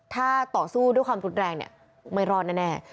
ถ้าต่อสู้ด้วยความรุนแรงเนี่ยไม่รอดแน่